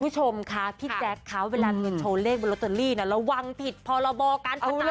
คุณผู้ชมค่ะพี่แจ๊คเขาเวลาเธอโชว์เลขบนลอตเตอรี่น่ะระวังผิดพรบการพนัน